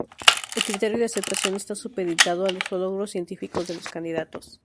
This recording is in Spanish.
El criterio de aceptación está supeditado a los logros científicos de los candidatos.